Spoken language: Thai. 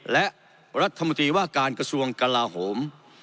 และรัฐมนตรีว่าการกระทรวงกลาโหม